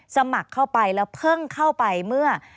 สมัครเข้าไปแล้วเพิ่งเข้าไปเมื่อ